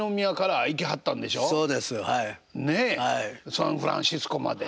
サンフランシスコまで。